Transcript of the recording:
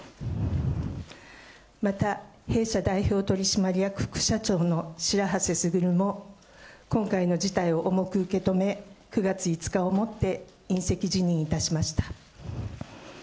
また、弊社代表取締役副社長の白波瀬傑も、今回の事態を重く受け止め、９月５日をもって引責辞任いたしました。